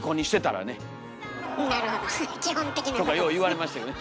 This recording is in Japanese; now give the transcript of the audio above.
よう言われましたよね